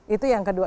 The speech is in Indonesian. itu yang kedua